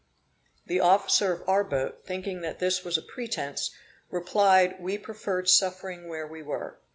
The officer of our boat, thinking that this was a pretence, replied, we preferred suffering where we were.